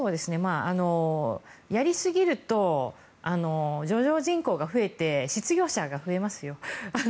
やりすぎると上場人口が増えて失業者が増えますよ。